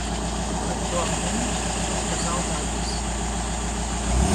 Actualment és un casal d'avis.